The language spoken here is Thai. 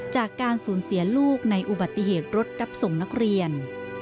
จากการสูญเสียลูกในอุบัติเหตุรถรับส่งนักเรียน